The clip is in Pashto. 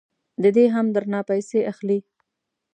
ددې هم درنه پیسې اخلي.